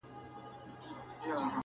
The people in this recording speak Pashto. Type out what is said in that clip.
په دې خپه يم چي له نومه چي پېغور غورځي